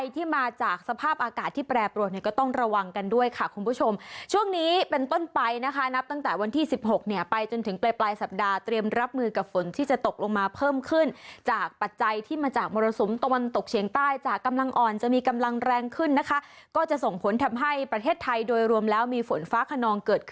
ที่มาจากสภาพอากาศที่แปรปรวนเนี่ยก็ต้องระวังกันด้วยค่ะคุณผู้ชมช่วงนี้เป็นต้นไปนะคะนับตั้งแต่วันที่๑๖เนี่ยไปจนถึงปลายปลายสัปดาห์เตรียมรับมือกับฝนที่จะตกลงมาเพิ่มขึ้นจากปัจจัยที่มาจากมรสุมตะวันตกเฉียงใต้จากกำลังอ่อนจะมีกำลังแรงขึ้นนะคะก็จะส่งผลทำให้ประเทศไทยโดยรวมแล้วมีฝนฟ้าขนองเกิดขึ้น